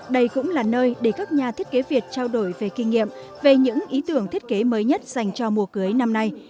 đây cũng là nơi để các nhà thiết kế việt trao đổi về kinh nghiệm về những ý tưởng thiết kế mới nhất dành cho mùa cưới năm nay